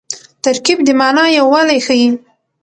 ترکیب د مانا یووالی ښيي.